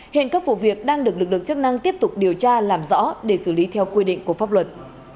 hiện các vụ việc đang được lực lượng chức năng tiếp tục điều tra làm rõ để xử lý theo quy định của pháp luật